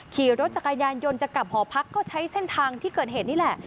ขี่รถจักรยานยนต์จะกลับหอพักก็ใช้เส้นทางที่เกิดเหตุนี่แหละ